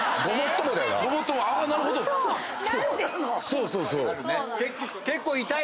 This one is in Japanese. そうそうそう。